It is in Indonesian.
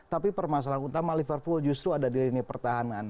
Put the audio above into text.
tapi permasalahan utama liverpool justru ada di lini pertahanan